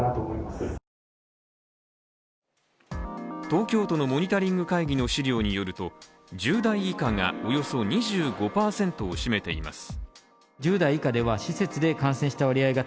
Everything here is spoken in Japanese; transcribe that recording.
東京都のモニタリング会議の資料によると１０代以下がおよそ２５％を占めています。